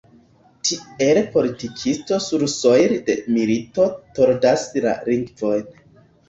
Tiel politikisto sursojle de milito tordas la lingvon.